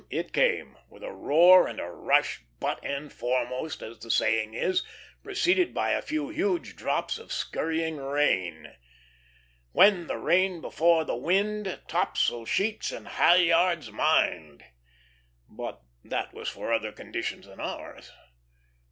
it came with a roar and a rush, "butt end foremost," as the saying is, preceded by a few huge drops of scurrying rain. "When the rain before the wind, Topsail sheets and halyards mind;" but that was for other conditions than ours.